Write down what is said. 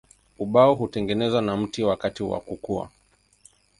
Ubao hutengenezwa na mti wakati wa kukua.